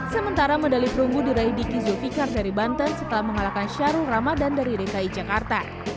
sementara medali perunggu diraih diki zulfikar dari banten setelah mengalahkan syahrul ramadan dari dki jakarta